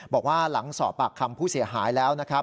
บอกว่าหลังสอบปากคำผู้เสียหายแล้วนะครับ